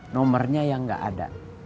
nomernya yang gak ada